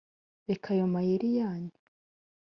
reka ayo mayeri yanyu